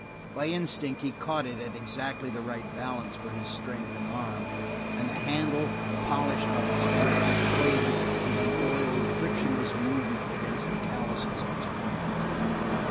By instinct he caught it at exactly the right balance for his strength and arm, and the handle, polished by his grip, played with an oiled, frictionless movement against the callouses of his palm.